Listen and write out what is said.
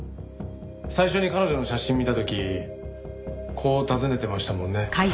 最初に彼女の写真見た時こう尋ねてましたもんね。